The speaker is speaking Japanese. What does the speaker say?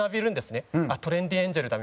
あっトレンディエンジェルだ！